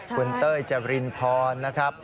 คุณเต้ยจรินพรนะครับ